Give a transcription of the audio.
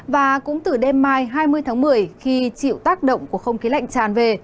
và cũng từ đêm mai hai mươi tháng một mươi khi chịu tác động của không khí lạnh tràn về